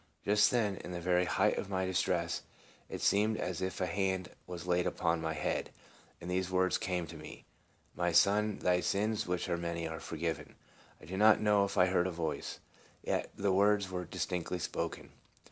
Just then, in the very height of my distress, it seemed as if a hand was laid upon my head, and these words came to me: " My son, thy sins which are many are forgiven." I do not know if I heard a voice, yet the words were distinctly spoken.